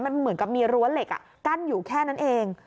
มันเหมือนกับมีรั้วเหล็กกั้นอยู่แค่นั้นเอง